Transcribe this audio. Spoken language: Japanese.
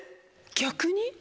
逆に？